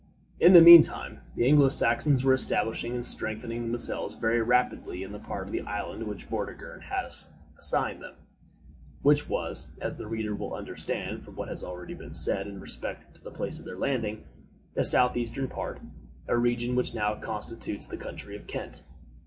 In the mean time the Anglo Saxons were establishing and strengthening themselves very rapidly in the part of the island which Vortigern had assigned them which was, as the reader will understand from what has already been said in respect to the place of their landing, the southeastern part a region which now constitutes the county of Kent.